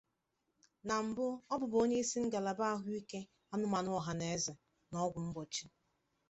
Na mbụ, ọ bụbu onye isi ngalaba Ahụike anụmanụ ọhaneze na Ọgwụ Mgbochi.